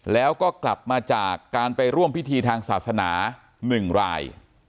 แล้วก็กลับมาจากการไปร่วมพิธีทางศาสนา๑ราย